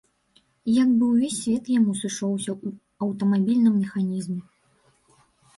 Як бы ўвесь свет яму сышоўся ў аўтамабільным механізме.